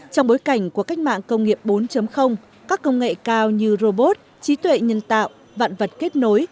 trong bối cảnh của cách mạng công nghiệp bốn các công nghệ cao như robot trí tuệ nhân tạo vạn vật kết nối